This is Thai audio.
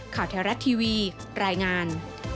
ข่าวแท้รัฐทีวีรายงาน